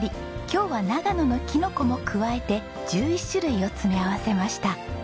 今日は長野のキノコも加えて１１種類を詰め合わせました。